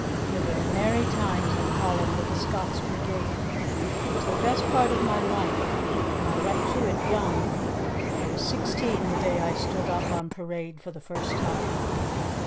There were merry times in Holland with the Scots Brigade. It was the best part of my life, and I went to it young. I was sixteen the day I stood up on parade for the first time."